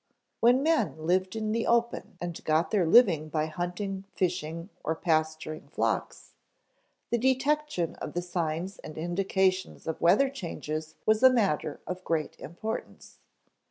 When men lived in the open and got their living by hunting, fishing, or pasturing flocks, the detection of the signs and indications of weather changes was a matter of great importance.